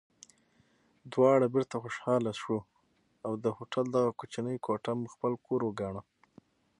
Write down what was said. دواړه بېرته خوشحاله شوو او د هوټل دغه کوچنۍ کوټه مو خپل کور وګاڼه.